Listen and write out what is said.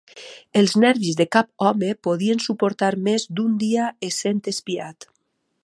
Els nervis de cap home podien suportar més d'un dia essent espiat.